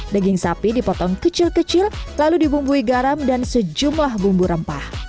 daging sapi dipotong kecil kecil lalu dibumbui garam dan sejumlah bumbu rempah